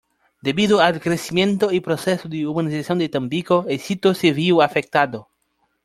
Debido al crecimiento y proceso de urbanización de Tampico, el sitio se vio afectado.